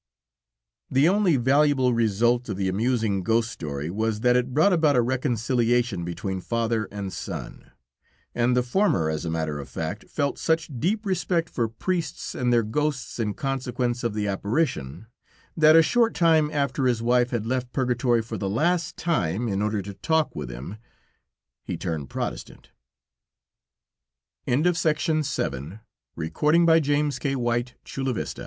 The only valuable result of the amusing ghost story was, that it brought about a reconciliation between father and son, and the former, as a matter of fact, felt such deep respect for priests and their ghosts in consequence of the apparition, that a short time after his wife had left purgatory for the last time, in order to talk with him, he turned Protestant. CRASH Love is stronger than death, and consequently also, t